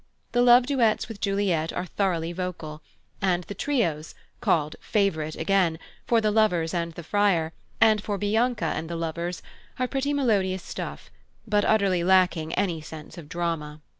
The love duets with Juliet are thoroughly vocal; and the trios, called "Favourite" again, for the lovers and the Friar, and for Bianca and the lovers, are pretty melodious stuff, but utterly lacking any sense of drama.